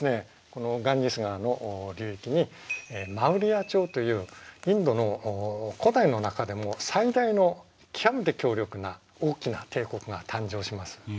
このガンジス川の流域にマウリヤ朝というインドの古代の中でも最大の極めて強力な大きな帝国が誕生します。